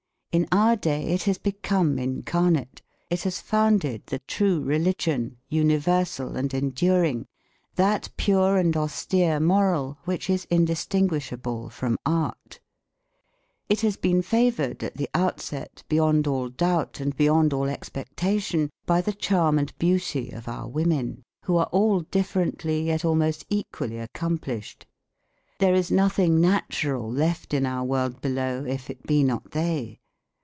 In our day it has become incarnate, it has founded the true religion, universal and enduring, that pure and austere moral which is indistinguishable from art. It has been favoured at the outset, beyond all doubt and beyond all expectation by the charm and beauty of our women, who are all differently yet almost equally accomplished. There is nothing natural left in our world below if it be not they.